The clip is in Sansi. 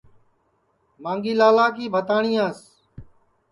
مانگھی لالا کی بھتاٹؔیاس